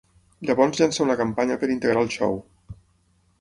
Llavors llança una campanya per integrar el show.